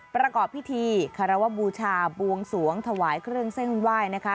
ประกอบพิธีคารวบูชาบวงสวงถวายเครื่องเส้นไหว้นะคะ